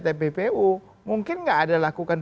tppu mungkin nggak ada lakukan